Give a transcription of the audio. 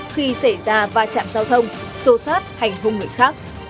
khi xảy ra va chạm giao thông xô xát hành hung người khác